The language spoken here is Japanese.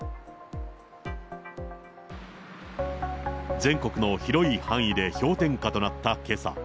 全国の広い範囲で氷点下となったけさ。